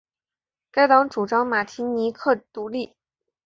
该党主张马提尼克独立。